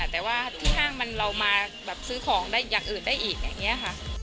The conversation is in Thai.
แต่ว่าที่ห้างมันเรามาแบบซื้อของได้อย่างอื่นได้อีกอย่างนี้ค่ะ